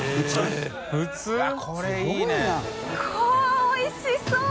おいしそう！